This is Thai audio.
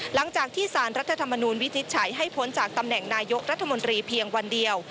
หลังจากที่สารรัฐธรรมนูลวินิจฉัยให้พ้นจากตำแหน่งนายกรัฐมนตรีเพียงวันเดียว